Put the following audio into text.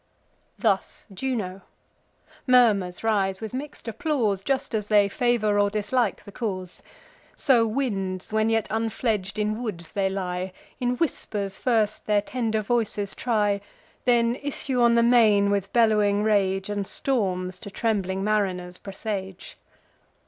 Thus Juno. Murmurs rise, with mix'd applause, Just as they favour or dislike the cause. So winds, when yet unfledg'd in woods they lie, In whispers first their tender voices try, Then issue on the main with bellowing rage, And storms to trembling mariners presage.